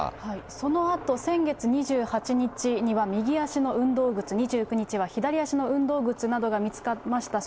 そのあと、先月２８日には右足の運動靴、２９日は左足の運動靴などが見つかりました。